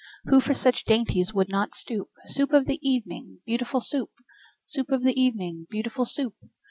Who for such dainties would not stoop? Soup of the evening, beautiful Soup! Soup of the evening, beautiful Soup!